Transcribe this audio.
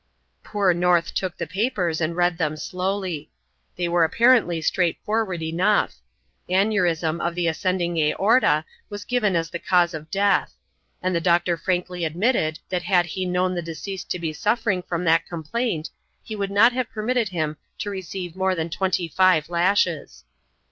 Poor North took the papers and read them slowly. They were apparently straightforward enough. Aneurism of the ascending aorta was given as the cause of death; and the doctor frankly admitted that had he known the deceased to be suffering from that complaint he would not have permitted him to receive more than twenty five lashes.